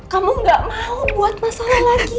kamu gak mau buat masalah lagi